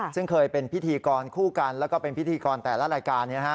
ซึ่งเคยเป็นพิธีกรคู่กันแล้วก็เป็นพิธีกรแต่ละรายการ